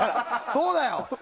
そうだよ！